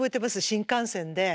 新幹線で。